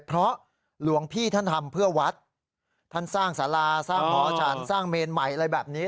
เพราะหลวงพี่ท่านทำเพื่อวัดท่านสร้างสาราสร้างหอฉันสร้างเมนใหม่อะไรแบบนี้